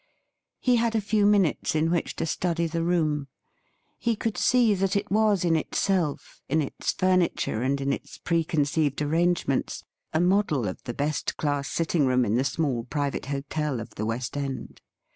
He had a few minutes in which to study the room. He could see that it was in itself, in its furniture, and in its preconceived arrangements, a model of the best class sittino room in the small private hotel of the West End.